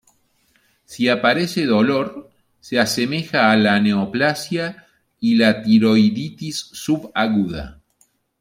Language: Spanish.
Si aparece dolor se asemeja a la neoplasia y la tiroiditis subaguda.